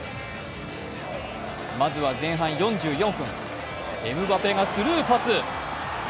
まずは前半４４分、エムバペがスルーパス。